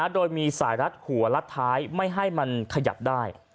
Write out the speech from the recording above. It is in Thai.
โดยมีสายรัดหัวรัดท้ายไม่ให้มันขยับได้